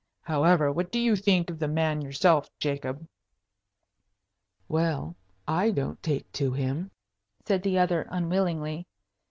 "However, what do you think of the man yourself, Jacob?" "Well, I don't take to him," said the other, unwillingly.